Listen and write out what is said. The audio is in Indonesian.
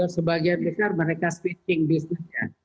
sebagian besar mereka switching bisnisnya